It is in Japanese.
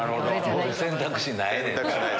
選択肢ないねんな。